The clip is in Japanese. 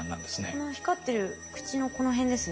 この光ってる口のこの辺ですね。